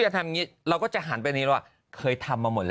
อย่าทำอย่างงี้เราก็จะหานเป็นนี้เพราะอะเคยทำมาหมด